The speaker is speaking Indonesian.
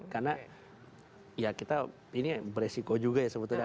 karena ya kita ini beresiko juga ya sebetulnya